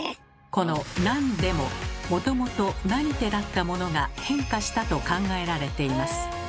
この「なんで」ももともと「なにて」だったものが変化したと考えられています。